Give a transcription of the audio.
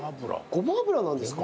ごま油なんですか？